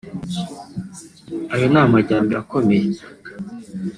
(…) ayo ni amajyembere akomeye